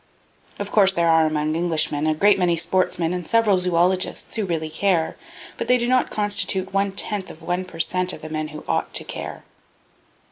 Of course there are among Englishmen a great many sportsmen and several zoologists who really care; but they do not constitute one tenth of one per cent of the men who ought to care!